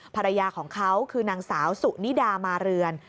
ภรรยาของเขาคือนางสาวสุนิดามาเรือน